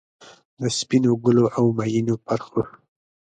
د سپینو ګلو، اومیینو پرخو،